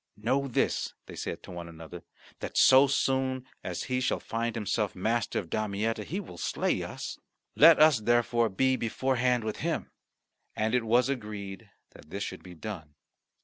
"Know this," they said one to another, "that so soon as he shall find himself master of Damietta, he will slay us. Let us therefore be beforehand with him." And it was agreed that this should be done.